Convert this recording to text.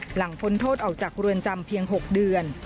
พ้นโทษออกจากเรือนจำเพียง๖เดือน